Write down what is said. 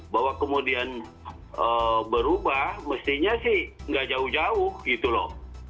bahwa kemudian berubah mestinya sih nggak jauh jauh gitu loh